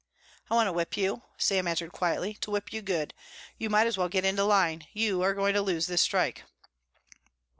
"I want to whip you," Sam answered quietly, "to whip you good. You might as well get into line. You are going to lose this strike."